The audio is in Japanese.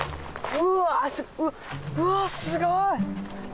うわっすごい。